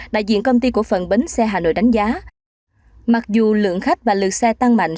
đại diện công ty cổ phần bến xe hà nội đánh giá mặc dù lượng khách và lượt xe tăng mạnh